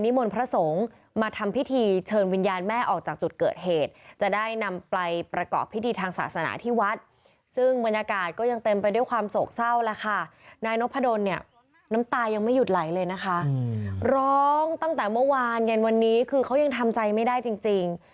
ตั้งแต่เมื่อวานเย็นวันนี้คือเขายังทำใจไม่ได้จริง